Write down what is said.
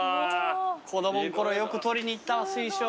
子供のころよく採りに行ったわ水晶。